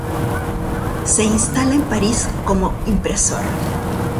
Se instala en París como impresor.